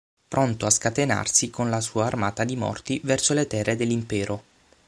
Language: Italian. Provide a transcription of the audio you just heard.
Pronto a scatenarsi con la sua armata di morti verso le terre dell'impero.